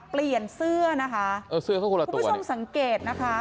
เปลี่ยนเสื้อนะคะเออเสื้อเขาคนละคุณผู้ชมสังเกตนะคะ